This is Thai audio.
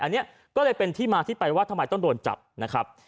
อันนี้ก็เลยเป็นที่มาที่ไปว่าทำไมต้องโดนจับนะครับ